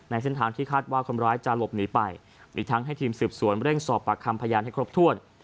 เส้นทางที่คาดว่าคนร้ายจะหลบหนีไปมีทั้งให้ทีมสืบสวนเร่งสอบปากคำพยานให้ครบถ้วน